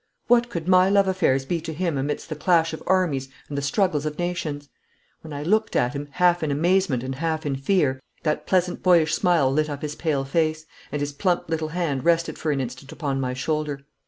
What could my love affairs be to him amidst the clash of armies and the struggles of nations? When I looked at him, half in amazement and half in fear, that pleasant boyish smile lit up his pale face, and his plump little hand rested for an instant upon my shoulder.